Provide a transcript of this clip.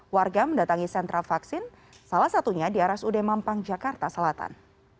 warga mendatangi sentral vaksin salah satunya di aras ud mampang jakarta selatan